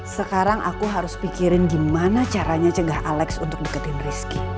sekarang aku harus pikirin gimana caranya cegah alex untuk deketin rizky